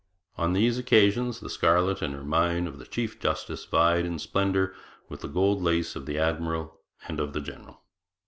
On these occasions the scarlet and ermine of the chief justice vied in splendour with the gold lace of the admiral and of the general.